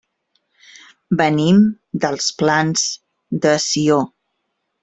Venim dels Plans de Sió.